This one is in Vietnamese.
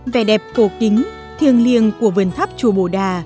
vẻ đẹp cổ kính thiêng liêng của vườn tháp chùa bồ đà